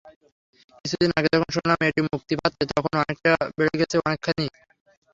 কিছুদিন আগে যখন শুনলাম এটি মুক্তি পাচ্ছে, তখন আনন্দটা বেড়ে গেছে অনেকখানি।